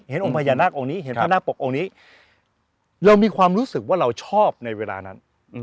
องค์พญานาคองค์นี้เห็นพระนาคปกองค์นี้เรามีความรู้สึกว่าเราชอบในเวลานั้น